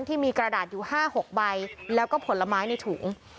ที่มีกระดาษอยู่๕๖ใบแล้วก็ผลไม้ในถุง